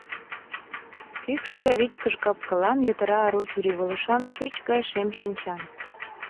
Кӱкшӧ да вичкыж кап-кылан, йытыра ару чурийвылышан, шӱч гай шем шинчан.